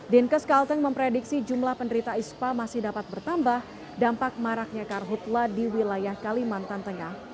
dinkes kalteng memprediksi jumlah penderita ispa masih dapat bertambah dampak maraknya karhutlah di wilayah kalimantan tengah